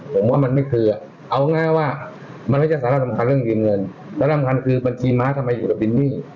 ผมว่ามันไม่คือเอาง่ายว่ามันไม่ใช่สาระสำคัญเรื่องยืมเงินและสำคัญคือบัญชีม้าทำไมอยู่กับบินนี่